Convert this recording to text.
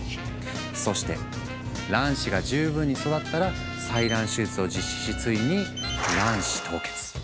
そして卵子が十分に育ったら採卵手術を実施しついに卵子凍結。